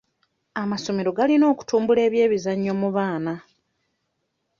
Amasomero galina okutumbula ebyemizannyo mu baana.